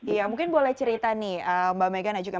ya mungkin boleh cerita nih mbak megana juga